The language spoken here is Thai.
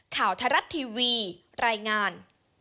ข่าวทรัฐทีวีรายงาน